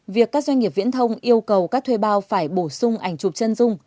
việc các doanh nghiệp viễn thông yêu cầu các thuê bao phải bổ sung ảnh chụp chân dung